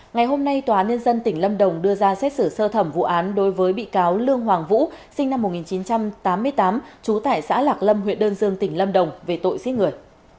ngày hôm nay tòa án nhân dân tỉnh lâm đồng đưa ra xét xử sơ thẩm vụ án đối với bị cáo lương hoàng vũ sinh năm một nghìn chín trăm tám mươi tám trú tại xã lạc lâm huyện đơn dương tỉnh lâm đồng về tội giết người